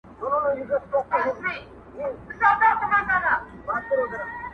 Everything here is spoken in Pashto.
خو نیژدې نه سوای ورتللای څوک له ویري -